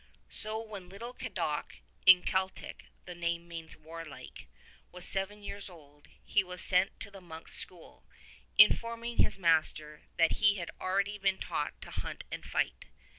120 So when little Cadoc (in Celtic the name means Warlike) was seven years old he was sent to the monk's school, in forming his master that he had already been taught to hunt and fight.